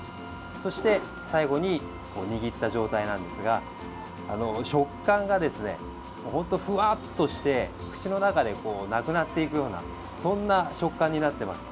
そして最後に握った状態なんですが食感がふわっとして口の中でなくなっていくようなそんな食感になってます。